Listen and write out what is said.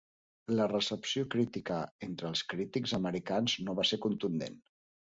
La recepció crítica entre els crítics americans no va ser contundent.